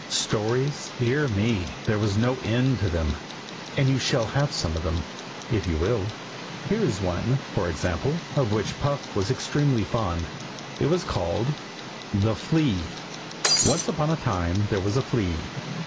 Stories? dear me, there was no end to them; and you shall have some of them, if you will. Here is one, for example, of which Puff was extremely fond. It was called THE FLEA. Once upon a time there was a flea.